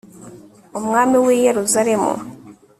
umwami w'i yeruzalemu